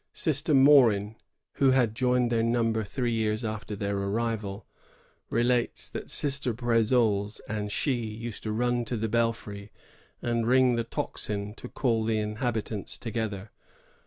Sister Morin, who had joined their number three years after their arrival, relates that Sister Brteoles and she used to run to the belfry and ring the tocsin to call the inhabitants together.